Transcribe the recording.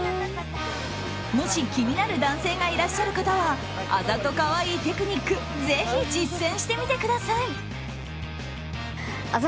もし、気になる男性がいらっしゃる方はあざとカワイイテクニックぜひ実践してみてください。